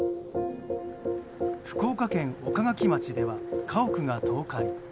福岡県岡垣町では家屋が倒壊。